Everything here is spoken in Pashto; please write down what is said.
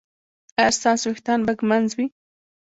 ایا ستاسو ویښتان به ږمنځ وي؟